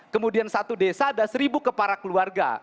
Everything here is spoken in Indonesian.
kemudian satu desa ada seribu kepala keluarga